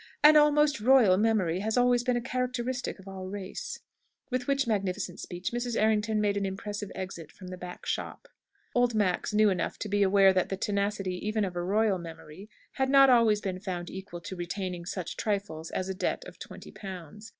An almost royal memory has always been a characteristic of our race." With which magnificent speech Mrs. Errington made an impressive exit from the back shop. Old Max knew enough to be aware that the tenacity even of a royal memory had not always been found equal to retaining such trifles as a debt of twenty pounds.